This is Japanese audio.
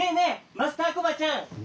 マスターコバちゃん。